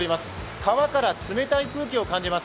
川から冷たい空気を感じます。